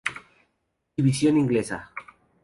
División Inglesa.